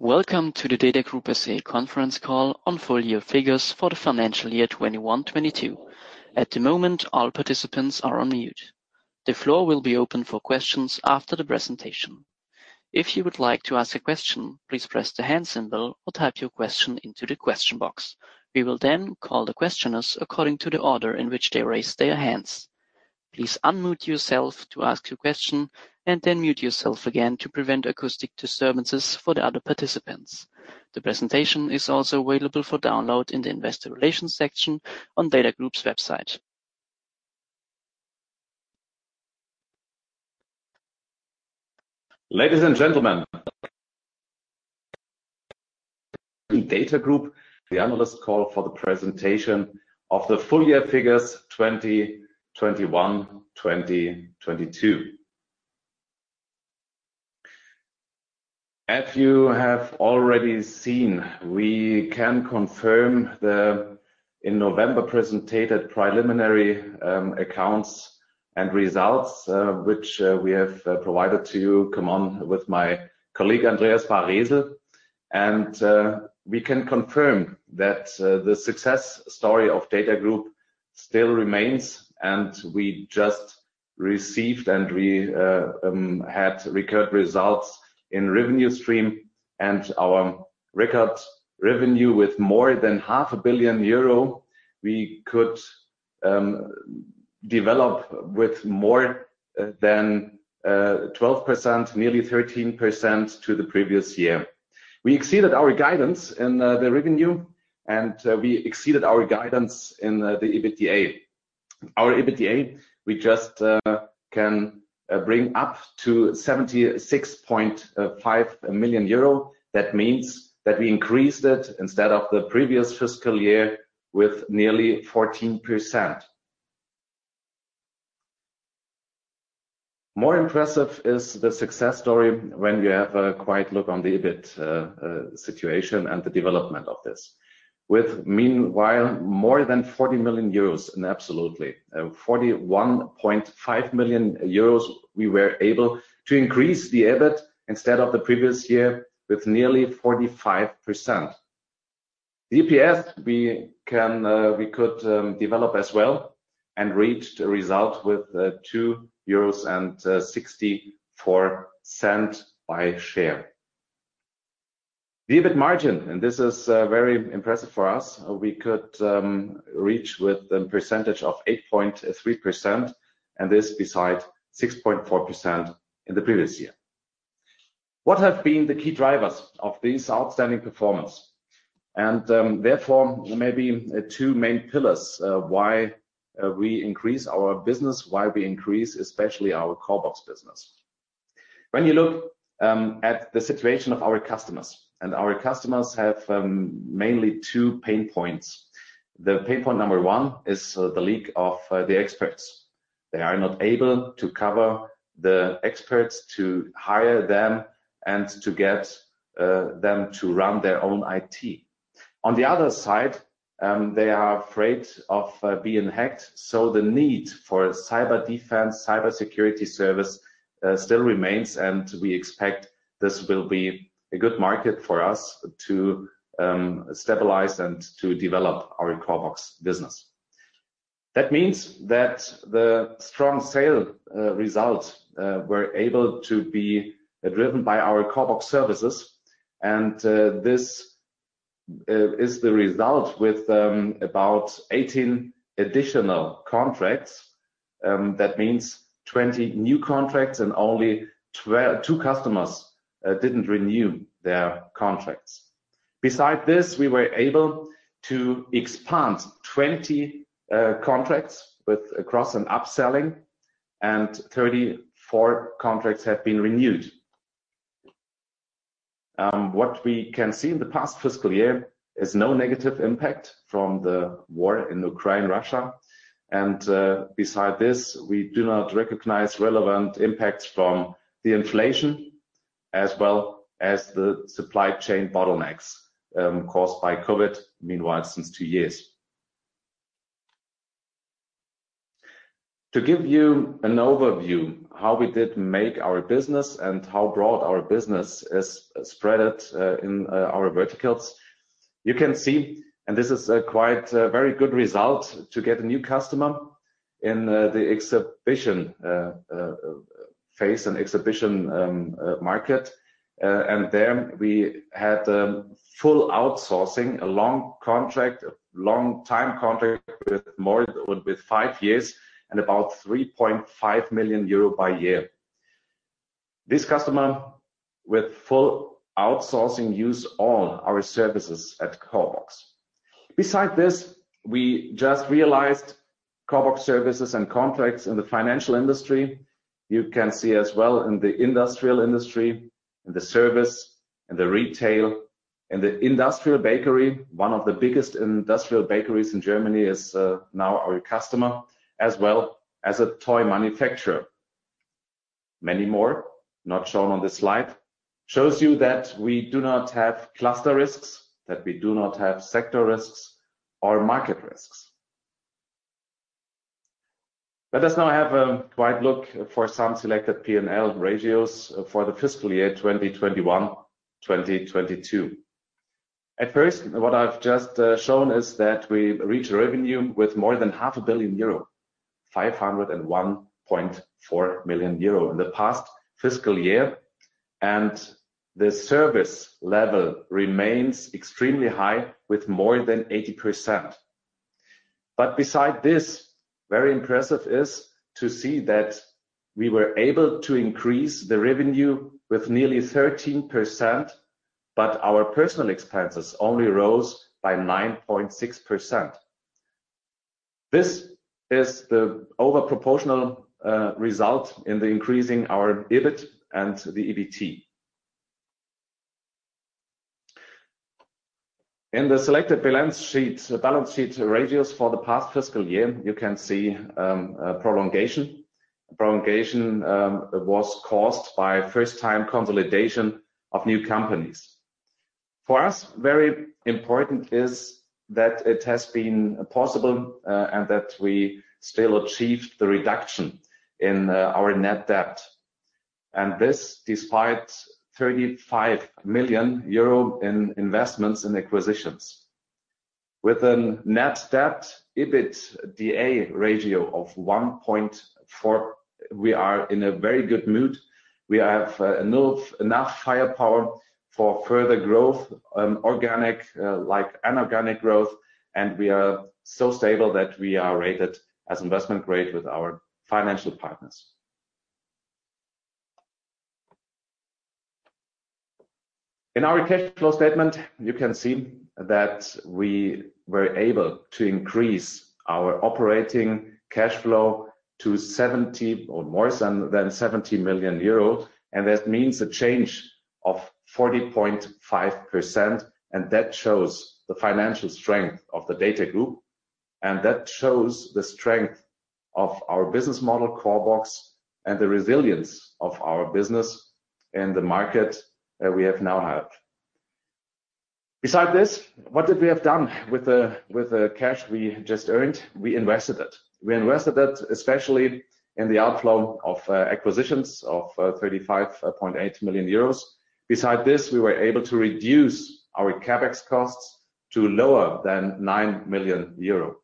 Welcome to the DATAGROUP SE conference call on full year figures for the financial year 2021/2022. At the moment, all participants are on mute. The floor will be open for questions after the presentation. If you would like to ask a question, please press the hand symbol or type your question into the question box. We will then call the questioners according to the order in which they raise their hands. Please unmute yourself to ask your question and then mute yourself again to prevent acoustic disturbances for the other participants. The presentation is also available for download in the Investor Relations section on DATAGROUP's website. Ladies and gentlemen, DATAGROUP, the analyst call for the presentation of the full year figures 2021/2022. As you have already seen, we can confirm the, in November, presented preliminary accounts and results which we have provided to you. Come on with my colleague, Andreas Baresel. We can confirm that the success story of DATAGROUP still remains. We just received, we had recurred results in revenue stream. Our record revenue with more than 0.5 billion euro, we could develop with more than 12%, nearly 13% to the previous year. We exceeded our guidance in the revenue. We exceeded our guidance in the EBITDA. Our EBITDA, we just can bring up to 76.5 million euro. That means that we increased it instead of the previous fiscal year with nearly 14%. More impressive is the success story when you have a quite look on the EBIT situation and the development of this. With meanwhile, more than 40 million euros in absolutely 41.5 million euros, we were able to increase the EBIT instead of the previous year with nearly 45%. The EPS, we could develop as well and reached a result with 2.64 euros by share. The EBIT margin, and this is very impressive for us, we could reach with the percentage of 8.3%, and this beside 6.4% in the previous year. What have been the key drivers of this outstanding performance? Therefore, maybe two main pillars, why we increase our business, why we increase especially our CORBOX business. When you look at the situation of our customers, and our customers have mainly two pain points. The pain point number one is the lack of the experts. They are not able to cover the experts to hire them and to get them to run their own IT. On the other side, they are afraid of being hacked, so the need for cyber defense, cybersecurity service still remains, and we expect this will be a good market for us to stabilize and to develop our CORBOX business. That means that the strong sale results were able to be driven by our CORBOX services. This is the result with about 18 additional contracts. That means 20 new contracts and only two customers didn't renew their contracts. Besides this, we were able to expand 20 contracts with cross and upselling and 34 contracts have been renewed. What we can see in the past fiscal year is no negative impact from the war in Ukraine, Russia. Beside this, we do not recognize relevant impacts from the inflation as well as the supply chain bottlenecks caused by COVID, meanwhile, since two years. To give you an overview how we did make our business and how broad our business is spread in our verticals, you can see, this is a quite very good result to get a new customer in the exhibition phase and exhibition market. We had full outsourcing, a long-time contract with five years and about 3.5 million euro by year. This customer with full outsourcing use all our services at CORBOX. Besides this, we just realized CORBOX services and contracts in the financial industry. You can see as well in the industrial industry, in the service, in the retail, in the industrial bakery. One of the biggest industrial bakeries in Germany is now our customer, as well as a toy manufacturer. Many more not shown on this slide, shows you that we do not have cluster risks, that we do not have sector risks or market risks. Let us now have a quick look for some selected P&L ratios for the fiscal year 2021/2022. At first, what I've just shown is that we reach revenue with more than 0.5 billion euro, 501.4 million euro in the past fiscal year, and the service level remains extremely high with more than 80%. Beside this, very impressive is to see that we were able to increase the revenue with nearly 13%, but our personal expenses only rose by 9.6%. This is the over proportional result in the increasing our EBIT and the EBT. In the selected balance sheet ratios for the past fiscal year, you can see a prolongation. Prolongation was caused by first time consolidation of new companies. For us, very important is that it has been possible, that we still achieved the reduction in our net debt, this despite 35 million euro in investments and acquisitions. With a net debt EBITDA ratio of 1.4, we are in a very good mood. We have enough firepower for further growth, organic like inorganic growth, we are so stable that we are rated as investment grade with our financial partners. In our cash flow statement, you can see that we were able to increase our operating cash flow to 70 or more than 70 million euro. That means a change of 40.5%. That shows the financial strength of the DATAGROUP. That shows the strength of our business model CORBOX and the resilience of our business in the market that we have now had. Beside this, what did we have done with the cash we just earned? We invested it. We invested it, especially in the outflow of acquisitions of 35.8 million euros. Beside this, we were able to reduce our CapEx costs to lower than 9 million euro.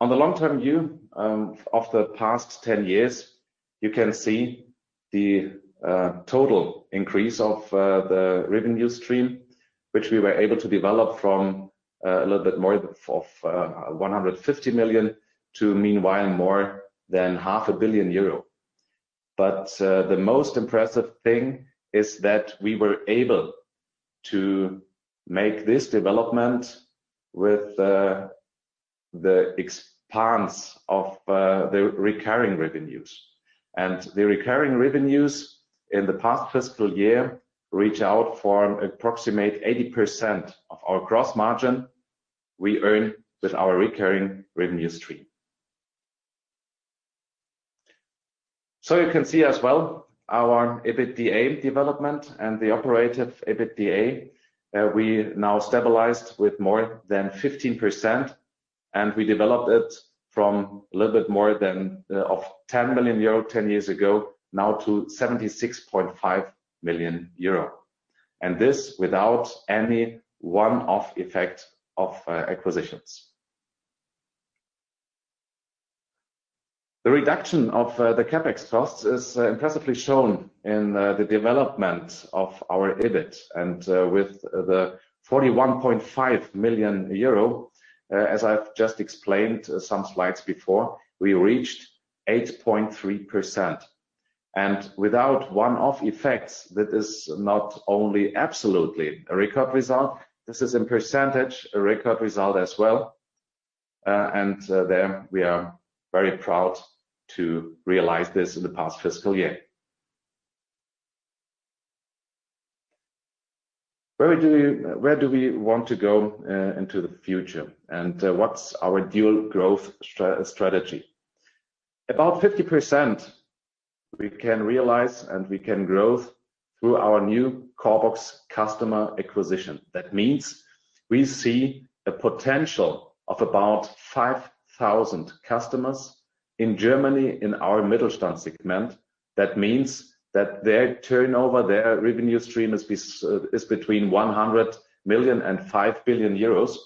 On the long-term view, of the past 10 years, you can see the total increase of the revenue stream, which we were able to develop from a little bit more of 150 million to meanwhile more than 0.5 billion euro. The most impressive thing is that we were able to make this development with the expanse of the recurring revenues. The recurring revenues in the past fiscal year reach out for approximate 80% of our gross margin we earn with our recurring revenue stream. You can see as well our EBITDA development and the operative EBITDA we now stabilized with more than 15%, and we developed it from a little bit more than 10 million euro 10 years ago now to 76.5 million euro. This without any one-off effect of acquisitions. The reduction of the CapEx costs is impressively shown in the development of our EBIT. With the 41.5 million euro, as I've just explained some slides before, we reached 8.3%. Without one-off effects, that is not only absolutely a record result, this is in percentage a record result as well. There we are very proud to realize this in the past fiscal year. Where do we want to go into the future? What's our dual growth strategy? About 50% we can realize, and we can growth through our new CORBOX customer acquisition. That means we see a potential of about 5,000 customers in Germany in our Mittelstand segment. That means that their turnover, their revenue stream is between 100 million and 5 billion euros.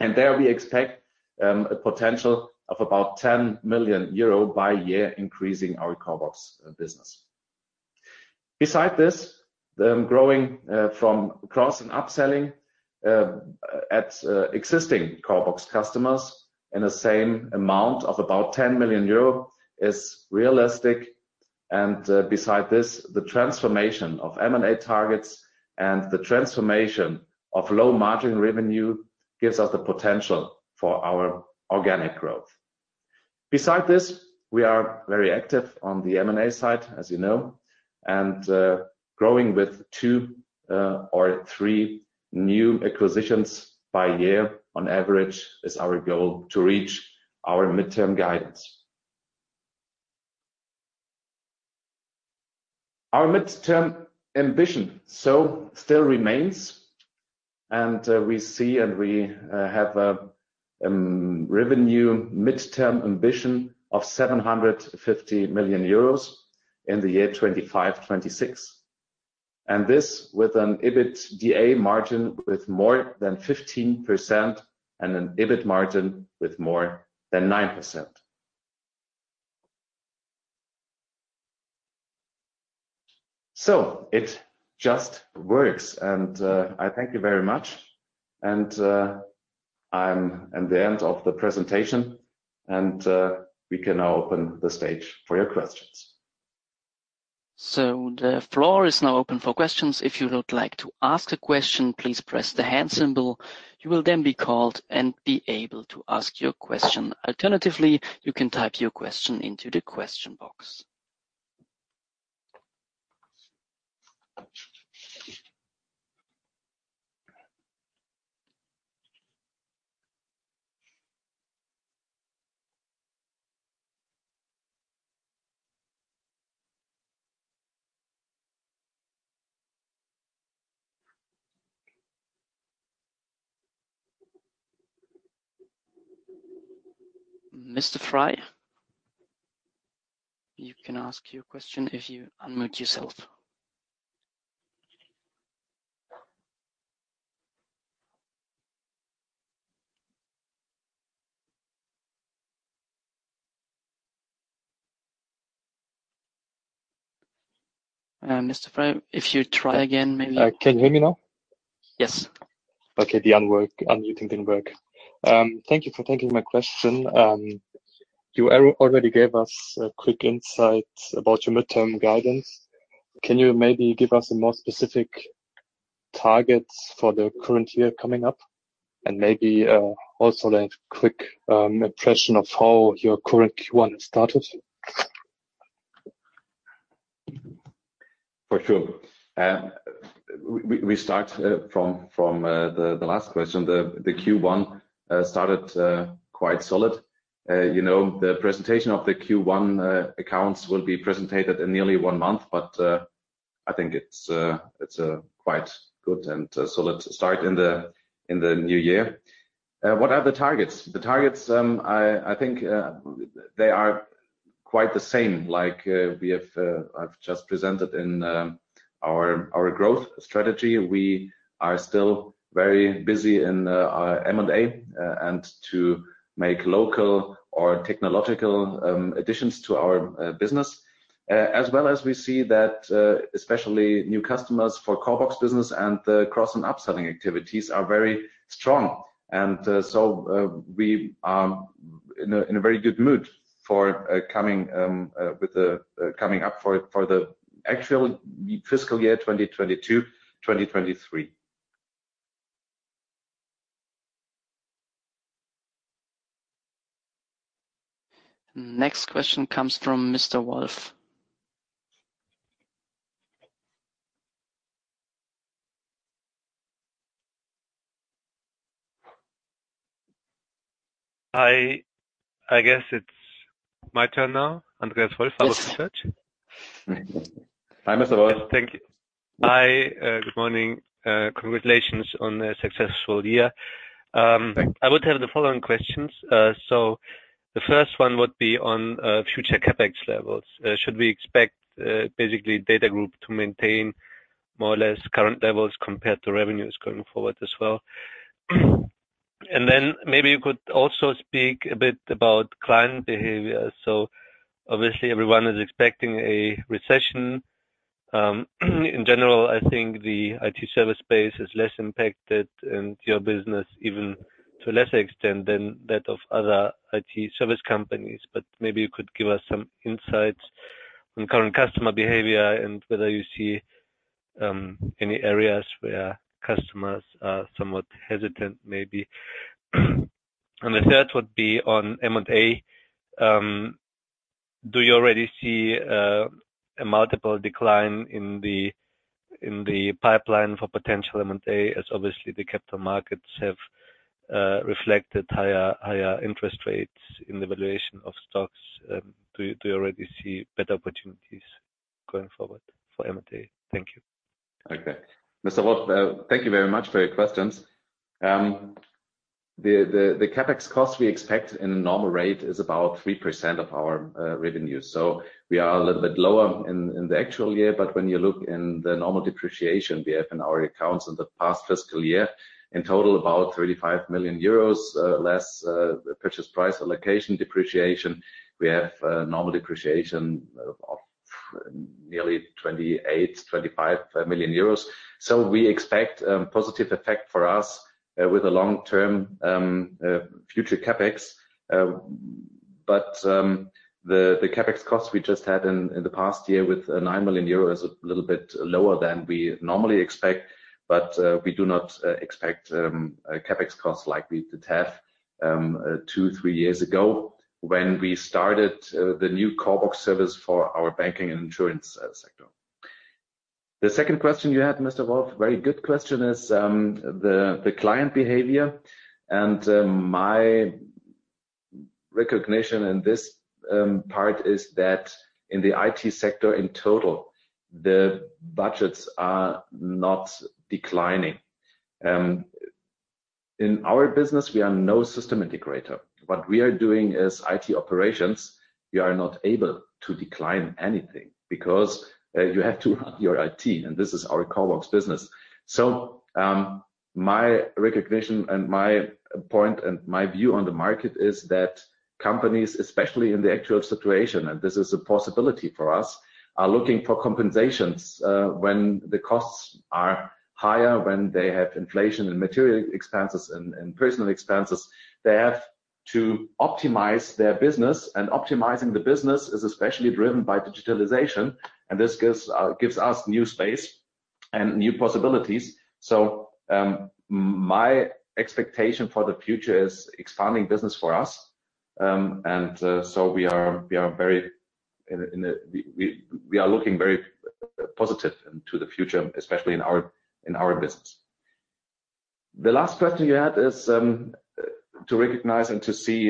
There we expect a potential of about 10 million euro by year increasing our CORBOX business. Beside this, the growing from cross and upselling at existing CORBOX customers in the same amount of about 10 million euro is realistic. Beside this, the transformation of M&A targets and the transformation of low margin revenue gives us the potential for our organic growth. Beside this, we are very active on the M&A side, as you know, and growing with two or three new acquisitions by year on average is our goal to reach our midterm guidance. Our midterm ambition still remains, and we see and we have a revenue midterm ambition of 750 million euros in the year 2025, 2026. This with an EBITDA margin with more than 15% and an EBIT margin with more than 9%. It just works. I thank you very much and I'm at the end of the presentation and we can now open the stage for your questions. The floor is now open for questions. If you would like to ask a question, please press the hand symbol. You will then be called and be able to ask your question. Alternatively, you can type your question into the question box. Mr. Frey, you can ask your question if you unmute yourself. Mr. Frey, if you try again. Can you hear me now? Yes. Okay. The unmuting didn't work. Thank you for taking my question. You already gave us a quick insight about your midterm guidance. Can you maybe give us a more specific targets for the current year coming up and maybe also a quick impression of how your current Q1 started? For sure. We start from the last question. The Q1 started quite solid. You know, the presentation of the Q1 accounts will be presented in nearly one month, I think it's a quite good and solid start in the new year. What are the targets? The targets, I think, they are quite the same. Like we have I've just presented in our growth strategy. We are still very busy in our M&A and to make local or technological additions to our business. As well as we see that especially new customers for CORBOX business and the cross and upselling activities are very strong. We are in a very good mood for coming with the coming up for the actual fiscal year, 2022/2023. Next question comes from Mr. Wolf. I guess it's my turn now. Andreas Wolf, Research. Hi, Mr. Wolf. Thank you. Hi, good morning. Congratulations on a successful year. Thank you. I would have the following questions. The first one would be on future CapEx levels. Should we expect basically DATAGROUP to maintain more or less current levels compared to revenues going forward as well? Maybe you could also speak a bit about client behavior. Obviously everyone is expecting a recession. In general, I think the IT service space is less impacted and your business even to a lesser extent than that of other IT service companies. Maybe you could give us some insights on current customer behavior and whether you see any areas where customers are somewhat hesitant, maybe. The third would be on M&A. Do you already see a multiple decline in the pipeline for potential M&A, as obviously the capital markets have reflected higher interest rates in the valuation of stocks? Do you already see better opportunities going forward for M&A? Thank you. Okay. Mr. Wolf, thank you very much for your questions. The CapEx cost we expect in a normal rate is about 3% of our revenue. We are a little bit lower in the actual year. When you look in the normal depreciation we have in our accounts in the past fiscal year, in total, about 35 million euros, less purchase price allocation depreciation. We have normal depreciation of nearly 28, 25 million euros. We expect positive effect for us with the long-term future CapEx. The CapEx costs we just had in the past year with 9 million euros are a little bit lower than we normally expect. We do not expect a CapEx cost like we did have two, three years ago when we started the new CORBOX service for our banking and insurance sector. The second question you had, Mr. Wolf, very good question, is the client behavior. My recognition in this part is that in the IT sector, in total, the budgets are not declining. In our business, we are no system integrator. What we are doing is IT operations. We are not able to decline anything because you have to run your IT, and this is our CORBOX business. My recognition and my point and my view on the market is that companies, especially in the actual situation, and this is a possibility for us, are looking for compensations, when the costs are higher, when they have inflation and material expenses and personal expenses. They have to optimize their business, and optimizing the business is especially driven by digitalization, and this gives us new space and new possibilities. My expectation for the future is expanding business for us. We are looking very positive into the future, especially in our business. The last question you had is to recognize and to see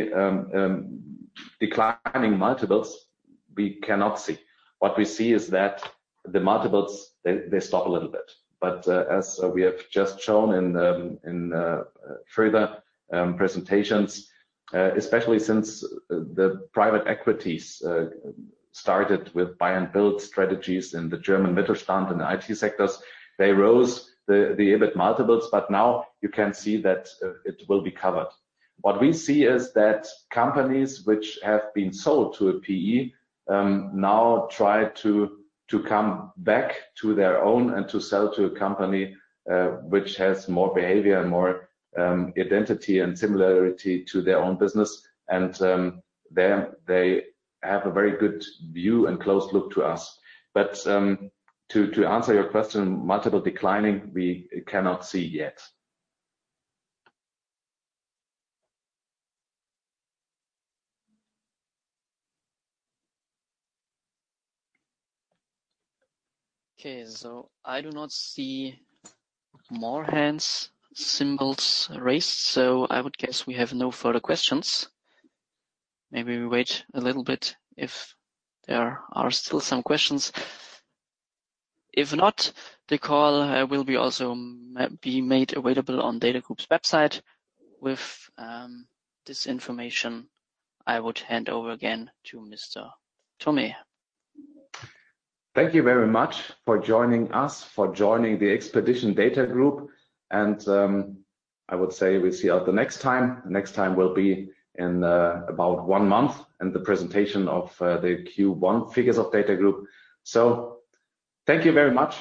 declining multiples. We cannot see. What we see is that the multiples, they stop a little bit. As we have just shown in the, in the, further, presentations, especially since the private equities started with buy and build strategies in the German Mittelstand and the IT sectors. They rose the EBIT multiples, but now you can see that, it will be covered. What we see is that companies which have been sold to a PE, now try to come back to their own and to sell to a company, which has more behavior and more, identity and similarity to their own business. They have a very good view and close look to us. To answer your question, multiple declining, we cannot see yet. Okay. I do not see more hands symbols raised, so I would guess we have no further questions. Maybe we wait a little bit if there are still some questions. If not, the call will also be made available on DATAGROUP's website. With this information, I would hand over again to Mr. Thome. Thank you very much for joining us, for joining the expedition DATAGROUP. I would say we'll see you out the next time. Next time will be in about one month in the presentation of the Q1 figures of DATAGROUP. Thank you very much.